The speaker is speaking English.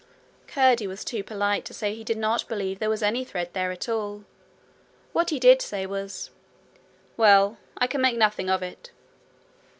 Curdie was too polite to say he did not believe there was any thread there at all. What he did say was: 'Well, I can make nothing of it.'